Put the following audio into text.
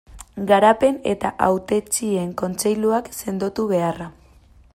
Garapen eta Hautetsien kontseiluak sendotu beharra.